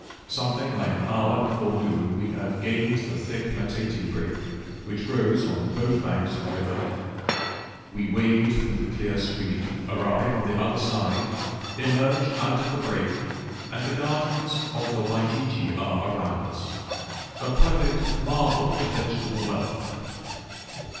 Something like an hour before noon we have gained the thick matete brake, which grows on both banks of the river; we wade through the clear stream, arrive on the other side, emerge out of the brake, and the gardens of the Wajiji are around us a perfect marvel of vegetable wealth.